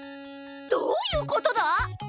どういうことだ？